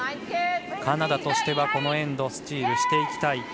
カナダとしては、このエンドスチールしていきたい。